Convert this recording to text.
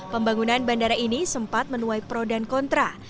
pembangunan bandara ini sempat menuai pro dan kontra